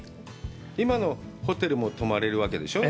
今のホテルも泊まれるわけでしょう？